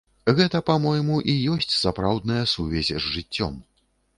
Гэта, па-мойму, і ёсць сапраўдная сувязь з жыццём.